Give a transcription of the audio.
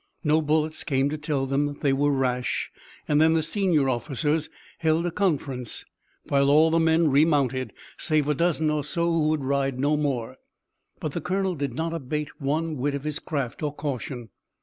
No bullets came to tell them that they were rash and then the senior officers held a conference, while all the men remounted, save a dozen or so who would ride no more. But the colonel did not abate one whit of his craft or caution.